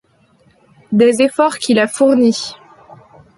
Des efforts qu'il a fournis.